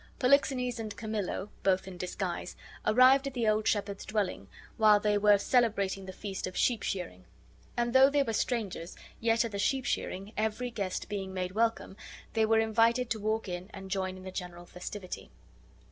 Polixenes and Camillo, both in disguise, arrived at the old shepherd's dwelling while they were celebrating the feast of sheep shearing; and though they were strangers, yet at the sheep shearing, every guest being made welcome, they were invited to walk in and join in the general festivity.